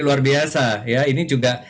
luar biasa ya ini juga